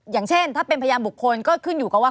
อย่างเช่นถ้าเป็นพยานบุคคลก็ขึ้นอยู่กับว่า